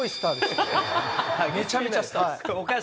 めちゃめちゃスターです。